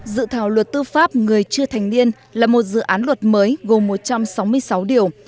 dự thảo luật tư pháp người chưa thành niên là một dự án luật mới gồm một trăm sáu mươi sáu điều